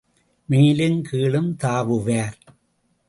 மேலும் கீழும் தாவுவார்.